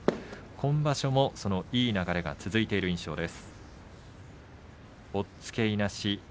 今場所いい流れが続いている印象です。